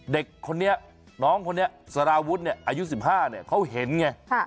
เด็กคนนี้น้องคนนี้สารวุฒิเนี่ยอายุ๑๕เนี่ยเขาเห็นไง